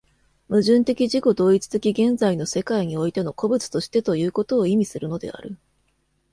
矛盾的自己同一的現在の世界においての個物としてということを意味するのである。